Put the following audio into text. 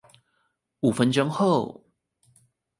五分鐘後